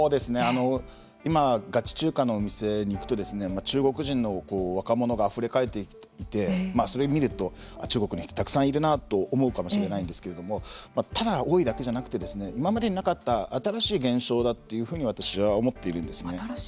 今、ガチ中華のお店に行くと中国人の若者があふれ返っていてそれを見ると中国の人たくさんいるなと思うかもしれないんですけれどもただ多いだけじゃなくて今までになかった新しい現象だというふうに私は思っているんですね。